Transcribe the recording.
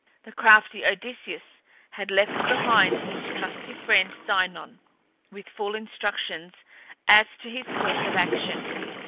The crafty Odysseus had left behind his trusty friend Sinon with full instructions as to his course of action.